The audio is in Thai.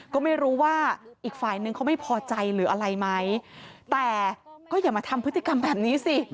ก็ไม่รู้ว่าอีกฝ่ายนึงเขาไม่พอใจหรืออะไรไหมแต่ก็อย่ามาทำพฤติกรรมแบบนี้สิ